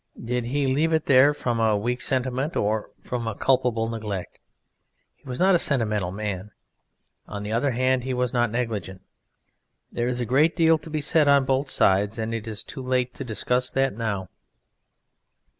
Did he leave it there from a weak sentiment or from a culpable neglect? He was not a sentimental man; on the other hand, he was not negligent. There is a great deal to be said on both sides, and it is too late to discuss that now.